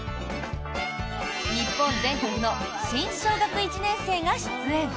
日本全国の新小学１年生が出演。